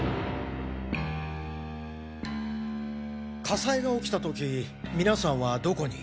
火災が起きた時皆さんはどこに？